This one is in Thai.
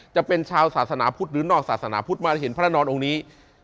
จะเป็นชาวศาสนาพุทธหรือนอกศาสนาพุทธมาเห็นพระนอนองค์นี้